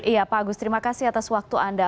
iya pak agus terima kasih atas waktu anda